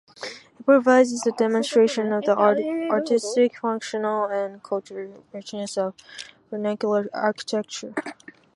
It provides a demonstration of the artistic, functional, and cultural richness of vernacular architecture.